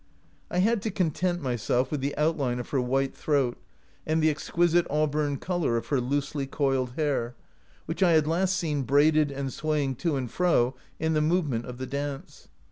I had to content myself with the outline of her white throat and the exquisite auburn color of her loosely coiled hair, which I had last seen braided and swaying to and fro in the movement of the dance.